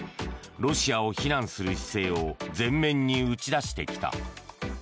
ロシアを非難する姿勢を前面に打ち出してきた。